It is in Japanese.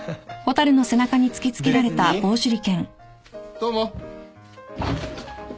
どうも。